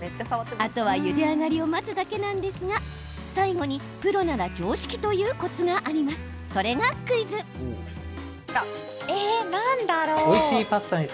あとはゆで上がりを待つだけなんですが最後にプロなら常識というコツがあります。